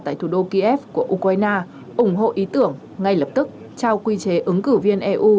tại thủ đô kiev của ukraine ủng hộ ý tưởng ngay lập tức trao quy chế ứng cử viên eu